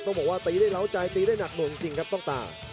ต้องบอกว่าตีได้เล้าใจตีได้หนักหน่วงจริงครับต้องตา